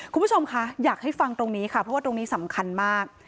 คุณผู้ชมคะอยากให้ฟังตรงนี้ค่ะเพราะว่าตรงนี้สำคัญมาก